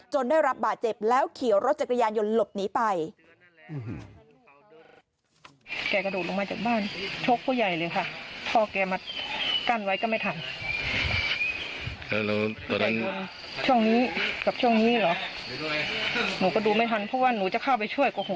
ได้รับบาดเจ็บแล้วขี่รถจักรยานยนต์หลบหนีไป